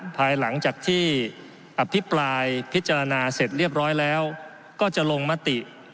ภายหลังจากที่อภิปรายพิจารณาเสร็จเรียบร้อยแล้วก็จะลงมติ